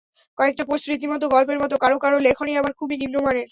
কয়েকটা পোস্ট রীতিমতো গল্পের মতো, কারও কারও লেখনী আবার খুবই নিম্নমানের।